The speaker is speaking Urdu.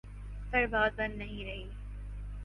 پر بات بن نہیں رہی۔